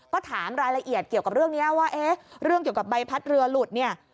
ก็ถามรายละเอียดเกี่ยวกับเรื่องนี้ว่าเอ๊ะเรื่องเกี่ยวกับใบพัดเรือหลุดเนี่ย